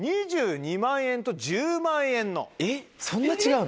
えっそんな違うの？